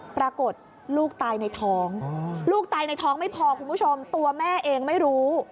ปรากฏลูกตายในท้องลูกตายในท้องไม่พอคุณผู้ชมตัวแม่เองไม่รู้